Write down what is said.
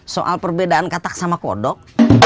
soal perbedaan katak sama kodok